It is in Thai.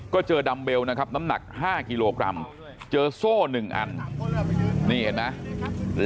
ก็เจอดัมเบลนะครับน้ำหนัก๕กิโลกรัมเจอโซ่๑อันนี่เห็นไหม